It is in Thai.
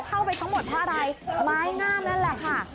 เข้าไปทั้งหมดเพราะอะไรไม้งามนั่นแหละค่ะ